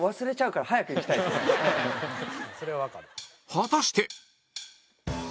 果たして